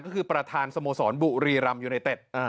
ก็คือประธานสโมสรบุรีรำยูไนเต็ด